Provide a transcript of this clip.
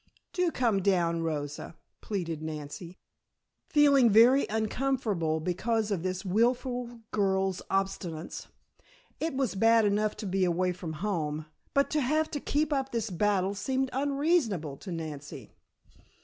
"Do come down, Rosa," pleaded Nancy, feeling very uncomfortable because of this willful girl's obstinacy. It was bad enough to be away from home, but to have to keep up this battle seemed unreasonable to Nancy.